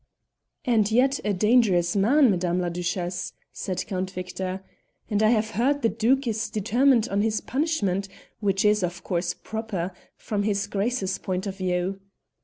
"And yet a dangerous man, Madame la Duchesse," said Count Victor; "and I have heard the Duke is determined on his punishment, which is of course proper from his Grace's point of view."